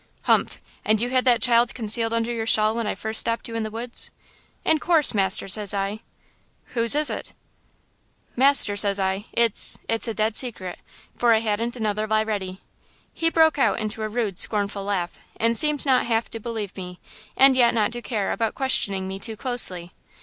"'Humph–and you had that child concealed under your shawl when I first stopped you in the woods?' "'In course, master,' says I. "'Whose is it?' "'Master,' says I, 'it's–it's a dead secret!' for I hadn't another lie ready. "He broke out into a rude, scornful laugh, and seemed not half to believe me and yet not to care about questioning me too closely.